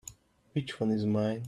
Which one is mine?